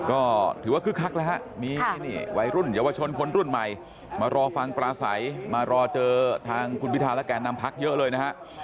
ก็ถือว่าคึกคักแล้วฮะมีวัยรุ่นเยาวชนคนรุ่นใหม่มารอฟังปลาใสมารอเจอทางคุณพิธาและแก่นำพักเยอะเลยนะฮะ